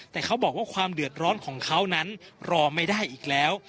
แต่เขาบอกว่าความเดือดร้อนของเขานั้นรอไม่ได้อีกแล้ว